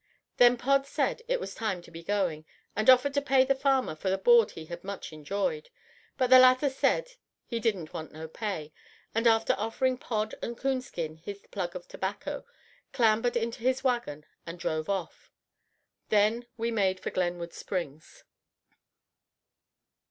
Then Pod said it was time to be going, and offered to pay the farmer for the board he had much enjoyed; but the latter said he "didn't want no pay," and, after offering Pod and Coonskin his plug of tobacco, clambered into his wagon and drove off. Then we made for Glenwood Springs.